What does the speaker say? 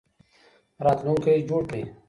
راتلونکی جوړ کړي